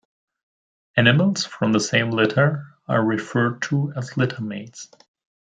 Animals from the same litter are referred to as litter-mates.